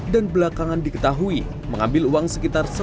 dan belakangan diketahui mengambil uang sebagian besar